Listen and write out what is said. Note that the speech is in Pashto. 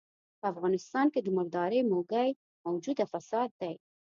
په افغانستان کې د مردارۍ موږی موجوده فساد دی.